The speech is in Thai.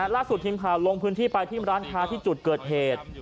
ล่าสุดทีมข่าวลงพื้นที่ไปที่ร้านค้าที่จุดเกิดเหตุ